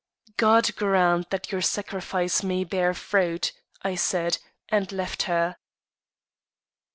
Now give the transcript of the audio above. "God grant that your sacrifice may bear fruit," I said, and left her.